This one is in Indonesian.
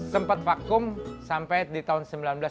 sempat vakum sampai di tahun seribu sembilan ratus sembilan puluh